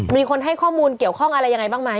มีคนให้ข้อมูลเกี่ยวข้องอะไรยังไงบ้างไหม